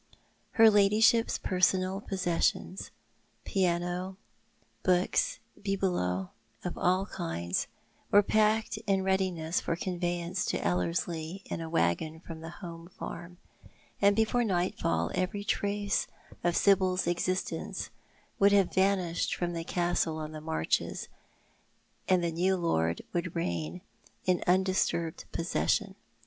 Her lady ship's personal possessions — piano, books, bibelots of all kinds — were packed in readiness for conveyance to EUerslie in a waggon from the home farm, and before nightfall every trace of Sibyl's existence would have vanished from the Castle on the Marches, and the new lord would reign in xindisturbed posses sion.